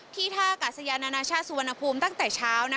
ที่ท่ากัศยานาชาสุวรรณภูมิตั้งแต่เช้า